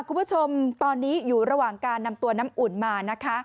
คุณผู้ชมตอนนี้อยู่ระหว่างการนำตัวน้ำอุ่นมานะคะ